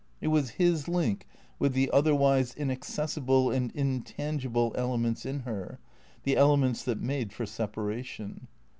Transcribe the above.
It was his link with the otherwise inaccessible and intangible ele ments in her, the elements that made for separation.